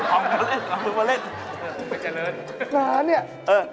โอ้โฮเอามาเล่นเอามาเล่นนานนี่